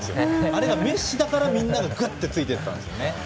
メッシだからみんながぐっとついていったんですよね。